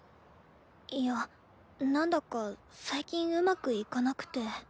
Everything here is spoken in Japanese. いやなんだか最近うまくいかなくて。